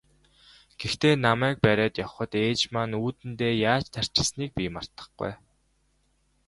Гэхдээ намайг бариад явахад ээж маань үүдэндээ яаж тарчилсныг би мартахгүй.